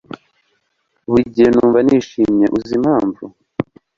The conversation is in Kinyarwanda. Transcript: buri gihe numva nishimye, uzi impamvu